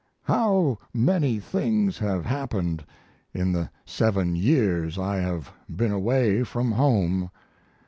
How many things have happened in the seven years I have been away from home!